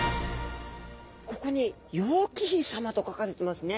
ここに「楊貴妃」さまと書かれてますね。